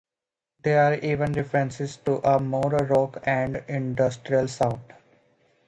There are even references to a more rock and industrial sound.